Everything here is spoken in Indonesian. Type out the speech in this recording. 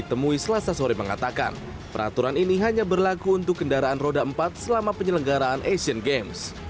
ditemui selasa sore mengatakan peraturan ini hanya berlaku untuk kendaraan roda empat selama penyelenggaraan asian games